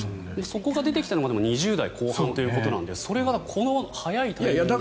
そこが出てきたのが２０代後半ということなのでそれがこの早いタイミングで。